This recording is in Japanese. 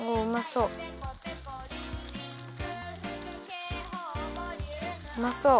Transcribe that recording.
うまそう。